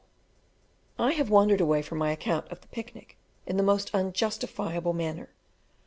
I have wandered away from my account of the picnic in the most unjustifiable manner.